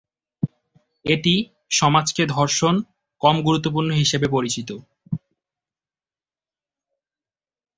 এটি সমাজকে ধর্ষণ কম গুরুত্বপূর্ণ হিসাবে পরিচিত।